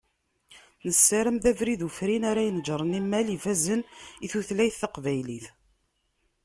Nessaram d abrid ufrin ara ineǧren imal ifazen i tutlayt taqbaylit.